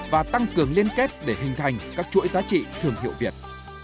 và tăng cường liên kết để hình thành các chuỗi giá trị thương hiệu việt